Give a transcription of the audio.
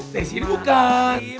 dari sini bukan